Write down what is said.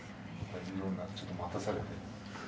ちょっと待たされて。